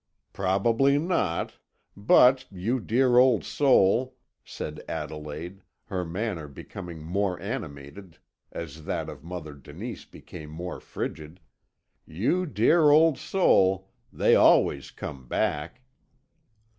"Probably not; but, you dear old soul!" said Adelaide, her manner becoming more animated as that of Mother Denise became more frigid, "you dear old soul, they always come back!